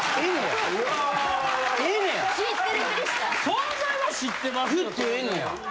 存在は知ってますよ当然！